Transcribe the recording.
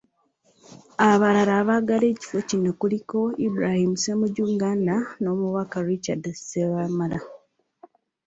Abalala abaagala ekifo kino kuliko; Ibrahim Ssemujju Nganda n'Omubaka Richard Ssebamala.